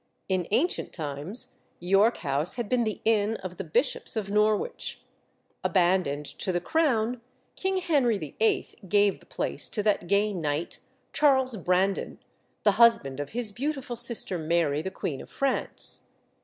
In ancient times, York House had been the inn of the Bishops of Norwich. Abandoned to the crown, King Henry VIII. gave the place to that gay knight Charles Brandon, the husband of his beautiful sister Mary, the Queen of France.